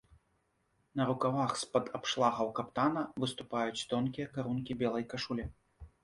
На рукавах з-пад абшлагаў каптана выступаюць тонкія карункі белай кашулі.